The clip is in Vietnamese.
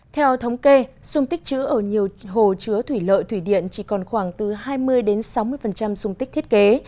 theo thống kê sung tích chứa ở nhiều hồ chứa thủy lợi thủy điện chỉ còn khoảng từ hai mươi sáu mươi sung tích thiết kế